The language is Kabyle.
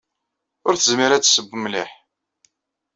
Ur tezmir ad tesseww mliḥ.